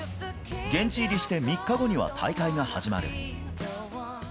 現地入りして３日後には大会が始まる。